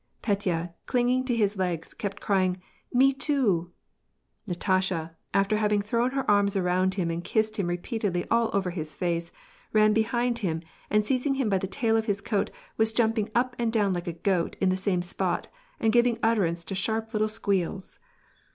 Petya^ clinging to his legs, kept crying, "jne too !'' Natasha, after having thrown her arms around him and kissed him repeatedly all over his face, ran behind him, and seizing him by the tail of his coat, was jumping up and down like a goat, in the same spot, and giving utterance to sharp little squeals.